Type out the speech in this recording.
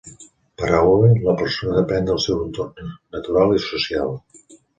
Per a Owen, la persona depèn del seu entorn natural i social.